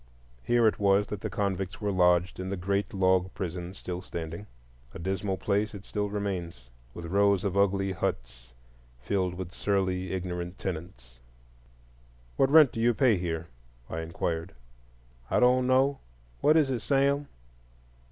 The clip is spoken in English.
Here it was that the convicts were lodged in the great log prison still standing. A dismal place it still remains, with rows of ugly huts filled with surly ignorant tenants. "What rent do you pay here?" I inquired. "I don't know,—what is it, Sam?"